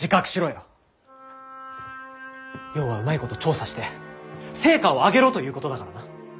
ようはうまいこと調査して成果を上げろということだからな。